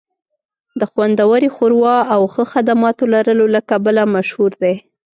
د خوندورې ښوروا او ښه خدماتو لرلو له کبله مشهور دی